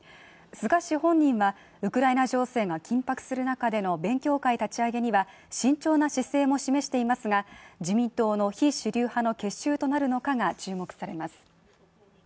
菅氏本人は、ウクライナ情勢が緊迫する中での勉強会立ち上げには慎重な姿勢も示していますが、自民党の非主流派の結集となるのかが注目されます。